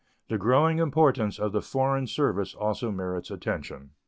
The growing importance of the foreign service also merits attention.